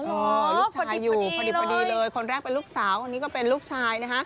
โอ้โหลูกชายอยู่พอดีเลยคนนี้ก็เป็นลูกชายนะคะคนนี้ก็เป็นลูกสาว